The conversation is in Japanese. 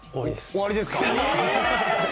終わりです。